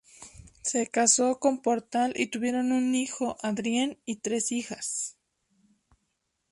Se casó con Portal, y tuvieron un hijo, Adrien, y tres hijas.